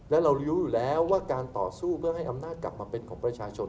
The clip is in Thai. และเรารู้อยู่แล้วว่าการต่อสู้เพื่อให้อำนาจกลับมาเป็นของประชาชน